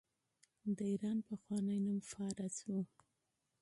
د ایران پخوانی نوم فارس و.